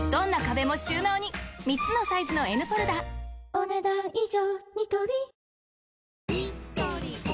お、ねだん以上。